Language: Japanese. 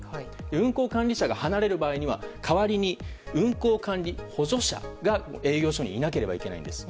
運航管理者が離れる場合には代わりに、運航管理補助者が営業所にいなければいけないんです。